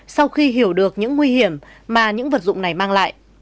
sau khi hiểu được những nguy hiểm mà những vật dụng này mang lại